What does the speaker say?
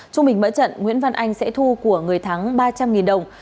trung bình mỡ trận nguyễn văn anh sẽ thu của người thắng ba trăm linh đồng